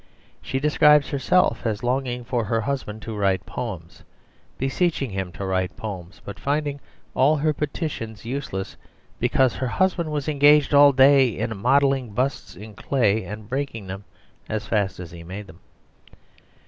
She describes herself as longing for her husband to write poems, beseeching him to write poems, but finding all her petitions useless because her husband was engaged all day in modelling busts in clay and breaking them as fast as he made them.